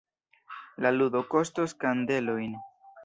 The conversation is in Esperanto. La ludo kostos kandelojn.